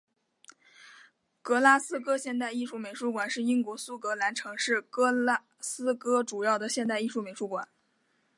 格拉斯哥现代艺术美术馆是英国苏格兰城市格拉斯哥主要的现代艺术美术馆。